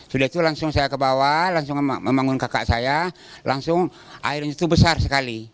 sudah itu langsung saya ke bawah langsung membangun kakak saya langsung airnya itu besar sekali